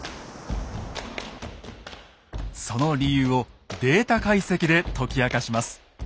その理由をデータ解析で解き明かします。